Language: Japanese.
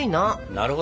なるほど。